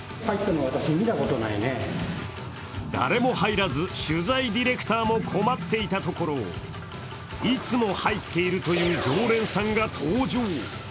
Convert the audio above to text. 誰も入らず、取材ディレクターも困っていたところ、いつも入っているという常連さんが登場。